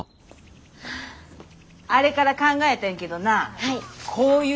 あれから考えてんけどなこういう形状はどないや。